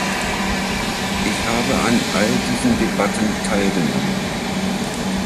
Ich habe an all diesen Debatten teilgenommen.